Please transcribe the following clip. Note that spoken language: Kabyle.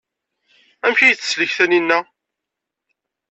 Amek ay teslek Taninna?